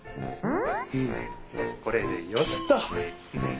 これでよしっと！